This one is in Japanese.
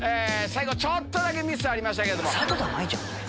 最後ちょっとだけミスありました。